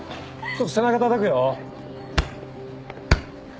ちょっと背中たたくよ